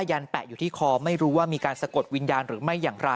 หลังจากพบศพผู้หญิงปริศนาตายตรงนี้ครับ